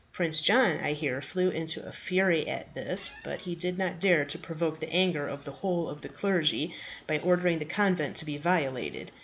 Prince John, I hear, flew into a fury at this; but he did not dare to provoke the anger of the whole of the clergy by ordering the convent to be violated.